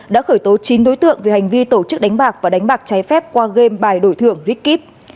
đã khởi tố chín đối tượng về hành vi tổ chức đánh bạc và đánh bạc trái phép qua game bài đổi thường rikip